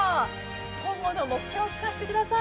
今後の目標を聞かせてください。